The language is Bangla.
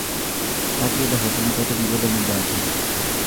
তাকিয়ে দেখো তুমি কতো বিপদের মধ্যে আছো।